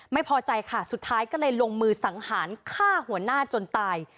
ไม่พอใจค่ะสุดท้ายก็เลยลงมือสังหารฆ่าหัวหน้าจนตาย